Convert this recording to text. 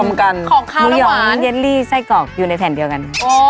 มันถึงแบบหมูหยองเยลลี่ไส้กรอกอยู่ในแผ่นเดียวกันกัน